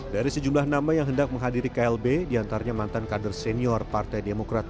dari sejumlah nama yang hendak menghadiri klb diantaranya mantan kader senior partai demokrat